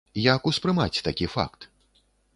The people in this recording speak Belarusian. Як успрымаць такі факт?